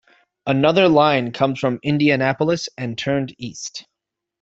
Another line comes from Indianapolis and turned east.